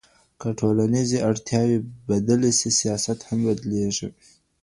که ټولنيزي اړتياوي بدلي سي سياست هم بدليږي.